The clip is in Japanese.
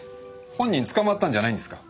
犯人捕まったんじゃないんですか？